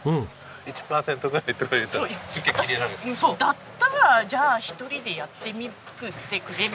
だったらじゃあ１人でやってみてくれみたいな。